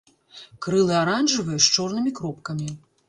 Крылы аранжавыя з чорнымі кропкамі.